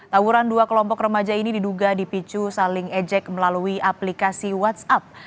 tawuran dua kelompok remaja ini diduga dipicu saling ejek melalui aplikasi whatsapp